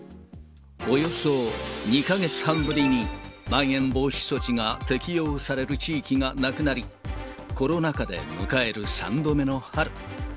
およそ２か月半ぶりにまん延防止措置が適用される地域がなくなり、コロナ禍で迎える３度目の春。